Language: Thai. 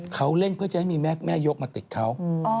เขาเล่นเพื่อจะให้มีแม่ยกมาติดเขา